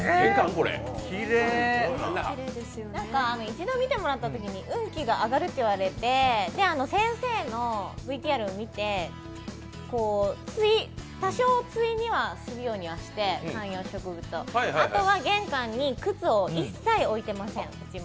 一度見てもらったときに運気が上がると言われて先生のＶＴＲを見て、多少対にはするようにして、観葉植物をあとは玄関に靴を一切置いてません、うちも。